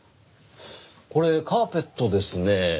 これカーペットですねぇ。